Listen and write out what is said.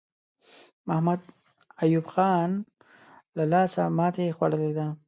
محمد ایوب خان له لاسه ماته خوړلې ده.